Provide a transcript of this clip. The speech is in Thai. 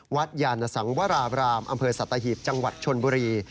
ยานสังวราบรามอำเภอสัตหีบจังหวัดชนบุรี